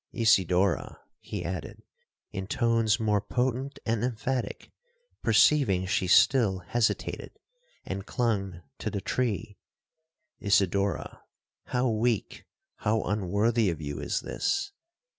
Isidora,' he added, in tones more potent and emphatic, perceiving she still hesitated, and clung to the tree—'Isidora, how weak, how unworthy of you is this!